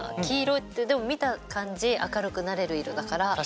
黄色ってでも見た感じ明るくなれる色だから。